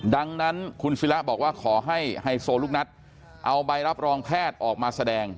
ดังนั้นคุณศิระบอกว่าขอให้ไฮโซลูกนัดเอาใบรับรองแพทย์ออกมาแสดง